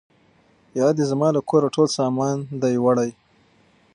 یا دي زما له کوره ټول سامان دی وړی